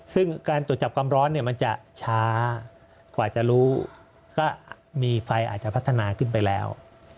ซึ่งการตรวจจับความร้อนเนี่ยมันจะช้ากว่าจะรู้ก็มีไฟอาจจะพัฒนาขึ้นไปแล้ว